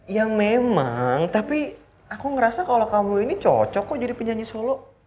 ya memang tapi aku ngerasa kalau kamu ini cocok kok jadi penyanyi solo